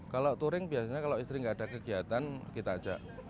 kalau touring biasanya kalau istri nggak ada kegiatan kita ajak